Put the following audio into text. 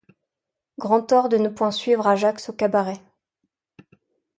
Grand tort de ne point suivre Ajax au cabaret ;